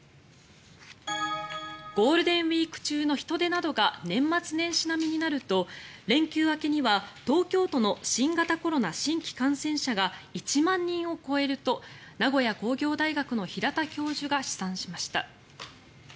ゴールデンウィーク中の人出などが年末年始並みになると連休明けには東京都の新型コロナ新規感染者が１万人を超えると名古屋工業大学の平田教授が試算しました。